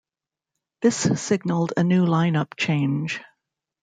This signaled a new line up change.